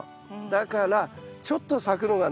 だからちょっと咲くのがね面倒です。